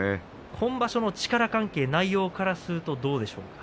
今場所の力関係内容からするとどうでしょうか。